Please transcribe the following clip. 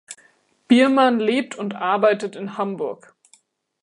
Biermann lebt und arbeitet in Hamburg.